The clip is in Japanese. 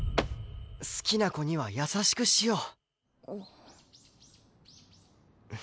好きな子には優しくしよう。